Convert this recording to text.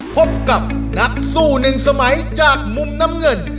พบกับนักสู้หนึ่งสมัยจากมุมน้ำเงิน